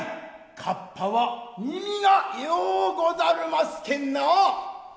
かっぱは耳がようござるますけんな。